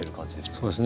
そうですね。